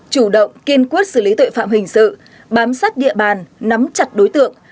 chủ động kiên quyết xử lý tội phạm hình sự bám sát địa bàn nắm chặt đối tượng